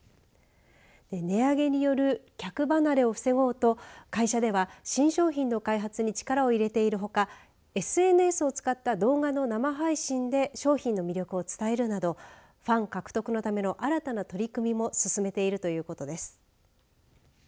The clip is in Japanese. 値上げによる客離れを防ごうと会社では新商品の開発に力を入れているほかＳＮＳを使った動画の生配信で商品の魅力を伝えるなどファン獲得のための新たな取り組みも進めているということです。